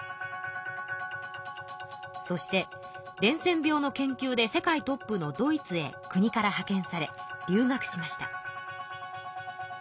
そして伝染病の研究で世界トップのドイツへ国からはけんされ留学しました。